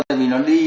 tại vì nó đi